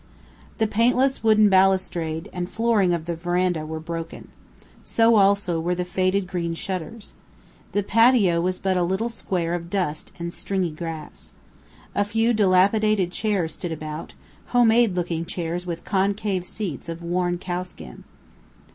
The paintless wooden balustrade and flooring of the veranda were broken. So also were the faded green shutters. The patio was but a little square of dust and stringy grass. A few dilapidated chairs stood about, homemade looking chairs with concave seats of worn cowskin.